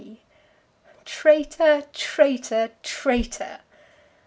F. G." "Traitor, traitor, traitor!"